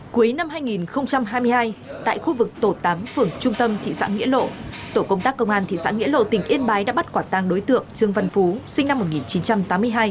cuối năm hai nghìn hai mươi hai tại khu vực tổ tám phường trung tâm thị xã nghĩa lộ tổ công tác công an thị xã nghĩa lộ tỉnh yên bái đã bắt quả tăng đối tượng trương văn phú sinh năm một nghìn chín trăm tám mươi hai